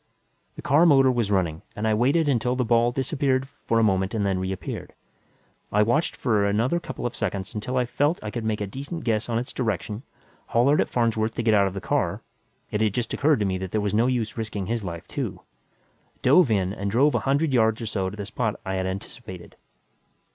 The car motor was running and I waited until the ball disappeared for a moment and then reappeared. I watched for another couple of seconds until I felt I could make a decent guess on its direction, hollered at Farnsworth to get out of the car it had just occurred to me that there was no use risking his life, too dove in and drove a hundred yards or so to the spot I had anticipated.